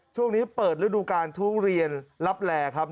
ช่วงนี้เปิดฤดูการทุเรียนลับแลครับ